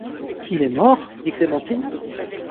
Il est mort?... dit Clémentine.